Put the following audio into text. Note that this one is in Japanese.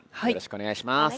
おねがいします。